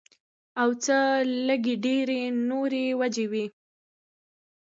او څۀ لږې ډېرې نورې وجې وي